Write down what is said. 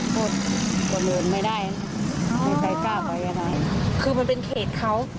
พอของปัญหาหรือเปล่า